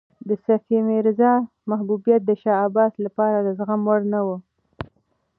د صفي میرزا محبوبیت د شاه عباس لپاره د زغم وړ نه و.